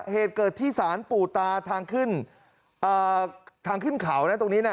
เหตุเกิดที่สารปู่ตาทางขึ้นทางขึ้นเขานะตรงนี้นะ